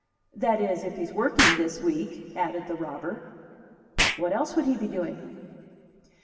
"That is, if he's working this week," added the robber. "What else would he be doing?"